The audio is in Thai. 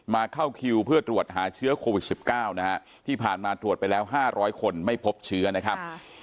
เข้าคิวเพื่อตรวจหาเชื้อโควิด๑๙นะฮะที่ผ่านมาตรวจไปแล้ว๕๐๐คนไม่พบเชื้อนะครับ